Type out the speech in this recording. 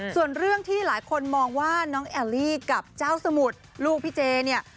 ส่วนเรื่องที่หลายคนมองว่าน้องแอลลี่กับเจ้าสมุทรลูกพี่เจเนี่ย